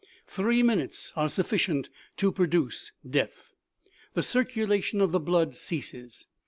Three minutes are sufficient to produce death. The circulation of the blood ceases.